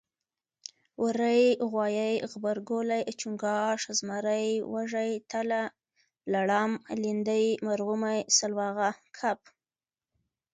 وری غوایي غبرګولی چنګاښ زمری وږی تله لړم لیندۍ مرغومی سلواغه کب